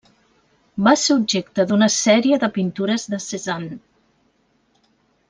Va ser objecte d'una sèrie de pintures de Cézanne.